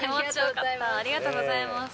ありがとうございます。